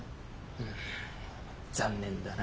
うん残念だな。